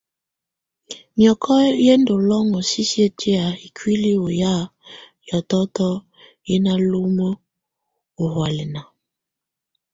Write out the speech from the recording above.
Mìɔ́kɔ yɛ́ ndù lɔ́ŋɔ̀ sisiǝ̀ tɛ̀á ikuili ɔ ya hiɔ̀tɔ̀tɔ yɛ na lumǝ ɔ ɔhɔ̀álɛna.